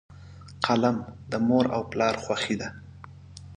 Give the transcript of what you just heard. قلم د مور او پلار خوښي ده.